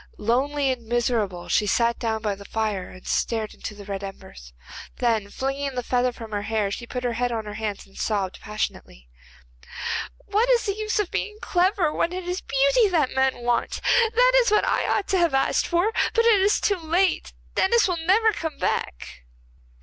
Lonely and miserable she sat down by the fire and stared into the red embers. Then, flinging the feather from her hair, she put her head on her hands, and sobbed passionately. 'What is the use of being clever when it is beauty that men want? That is what I ought to have asked for. But it is too late, Denis will never come back.